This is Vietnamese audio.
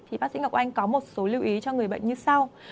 thì bác sĩ ngọc oanh có một số lưu ý cho người bệnh như sau